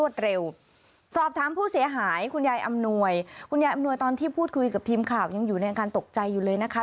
ตอนที่พูดคุยกับทีมข่าวยังอยู่ในการตกใจอยู่เลยนะคะ